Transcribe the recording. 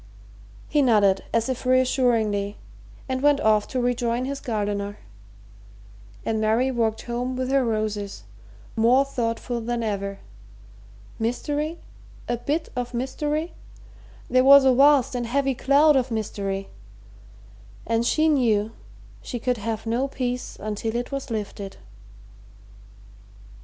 He nodded as if reassuringly and went off to rejoin his gardener, and Mary walked home with her roses, more thoughtful than ever. Mystery? a bit of mystery? There was a vast and heavy cloud of mystery, and she knew she could have no peace until it was lifted.